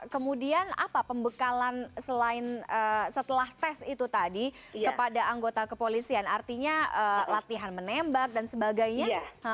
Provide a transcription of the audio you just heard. kemudian apa pembekalan selain setelah tes itu tadi kepada anggota kepolisian artinya latihan menembak dan sebagainya